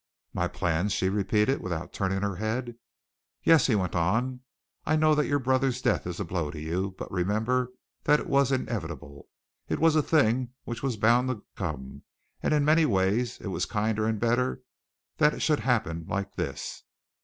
"My plans?" she repeated, without turning her head. "Yes!" he went on. "I know that your brother's death is a blow to you, but remember that it was inevitable. It was a thing which was bound to come, and in many ways it was kinder and better that it should happen like this.